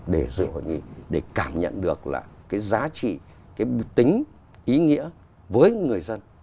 để dự hội nghị để cảm nhận được là cái giá trị cái tính ý nghĩa với người dân